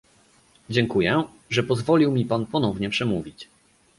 Dziękuję, że pozwolił mi pan ponownie przemówić